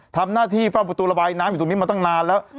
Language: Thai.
ทำหน้าที่เฝ้าประตูระบายน้ำอยู่ตรงนี้มาตั้งนานแล้ว